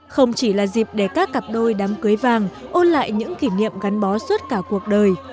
không chỉ là dịp để các cặp đôi đám cưới vàng ôn lại những kỷ niệm gắn bó suốt cả cuộc đời